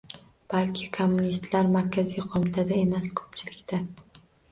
Balki kommunistlar Markaziy qo'mitada emas, ko'pchilikda